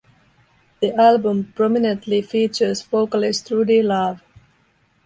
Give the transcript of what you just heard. The album prominently features vocalist Rudy Love.